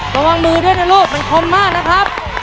ระวังมือด้วยนะลูกมันคมมากนะครับ